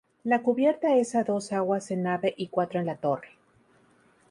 La cubierta es a dos aguas en nave y cuatro en la torre.